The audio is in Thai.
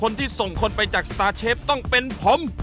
คนที่ส่งคนไปจากสตาร์เชฟต้องเป็นผม